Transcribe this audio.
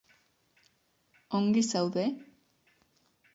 Ongi zaude?